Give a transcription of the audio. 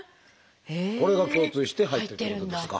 これが共通して入ってるんですか。